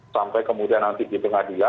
sampai kemudian nanti di tengah dia